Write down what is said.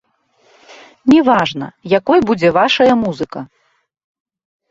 Не важна, якой будзе вашая музыка.